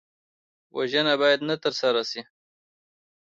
وژنه باید نه ترسره شي